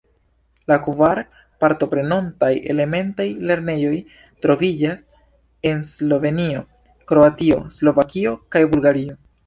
La kvar partoprenontaj elementaj lernejoj troviĝas en Slovenio, Kroatio, Slovakio kaj Bulgario.